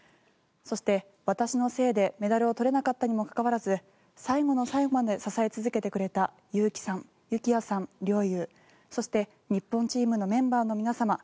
そして、私のせいでメダルを取れなかったにもかかわらず最後の最後まで支え続けてくれた有希さん、幸椰さん、陵侑そして日本チームのメンバーの皆様